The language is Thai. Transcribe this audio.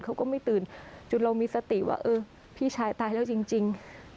เขาก็ไม่ตื่นจนเรามีสติว่าเออพี่ชายตายแล้วจริง